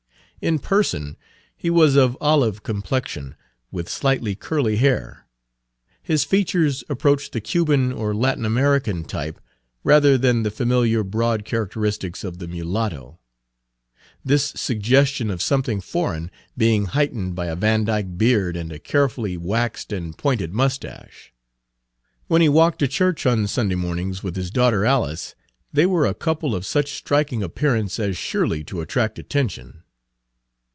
In person he was of olive complexion, with slightly curly hair. His features approached the Cuban or Latin American type rather than the familiar broad characteristics of the mulatto, this suggestion of something foreign being heightened by a Vandyke beard and a carefully waxed and pointed mustache. When he walked to church on Sunday mornings with his daughter Alice, they were a couple of such striking appearance as surely to attract attention.